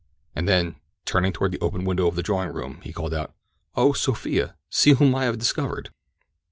And then turning toward the open window of a drawing room he called, "Oh, Sophia, see whom I have discovered!"